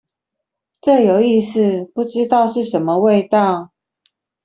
這有意思，不知道是什麼味道